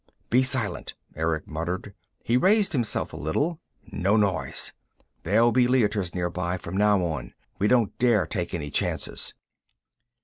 "Be silent," Erick muttered. He raised himself a little. "No noise. There'll be Leiters nearby, from now on. We don't dare take any chances."